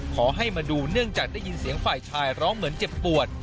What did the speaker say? ขอให้มาดูเนื่องจากได้ยินเสียงฝ่ายชายร้องเหมือนเจ็บปวด